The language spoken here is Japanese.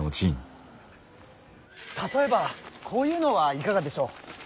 例えばこういうのはいかがでしょう。